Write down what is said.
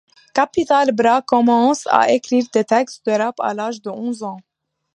Capital Bra commence à écrire des textes de rap à l'âge de onze ans.